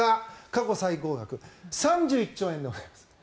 過去最高額３１兆円でございます。